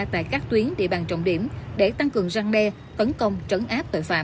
tại các tuyến địa bàn trọng điểm để tăng cường răng đe tấn công trấn áp tội phạm